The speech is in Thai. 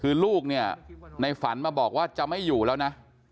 คือลูกเนี่ยในฝันมาบอกว่าจะไม่อยู่แล้วนะ